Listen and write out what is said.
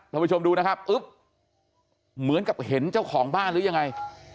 ผู้ชมดูนะครับอึ๊บเหมือนกับเห็นเจ้าของบ้านหรือยังไง